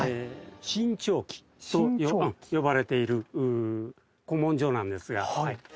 『震潮記』と呼ばれている古文書なんですが。